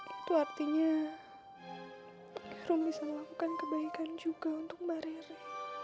itu artinya rom bisa melakukan kebaikan juga untuk mbak rera